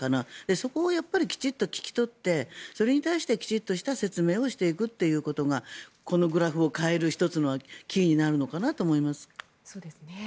そこをきちんと聞き取ってそれに対してきちんとした説明をしていくことがこのグラフを変える１つのキーになるのかなと思います。